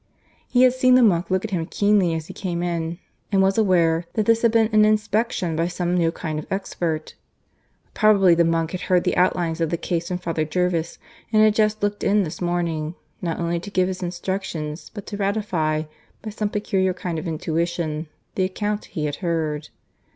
He had seen the monk look at him keenly as he came in, and was aware that this had been an inspection by some new kind of expert. Probably the monk had heard the outlines of the case from Father Jervis, and had just looked in this morning, not only to give his instructions, but to ratify by some peculiar kind of intuition the account he had heard.